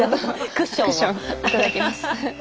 クッション頂きます。